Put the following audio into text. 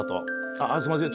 あっすんません